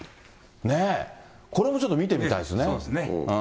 これもちょっと見てみたいでそうですね。